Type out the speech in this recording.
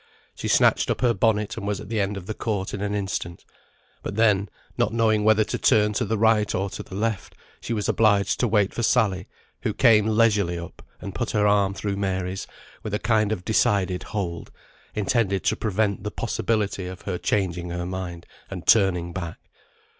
She snatched up her bonnet, and was at the end of the court in an instant; but then, not knowing whether to turn to the right or to the left, she was obliged to wait for Sally, who came leisurely up, and put her arm through Mary's, with a kind of decided hold, intended to prevent the possibility of her changing her mind, and turning back.